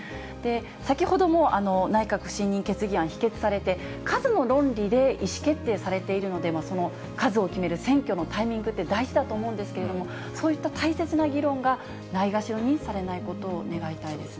先ほども内閣不信任決議案、否決されて、数の論理で意思決定されているので、数を決める選挙のタイミングって大事だと思うんですけれども、そういった大切な議論がないがしろにされないことを願いたいですね。